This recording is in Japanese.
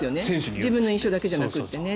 自分の印象だけじゃなくてね。